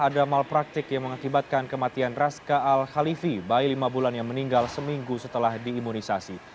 ada malpraktik yang mengakibatkan kematian raska al khalifi bayi lima bulan yang meninggal seminggu setelah diimunisasi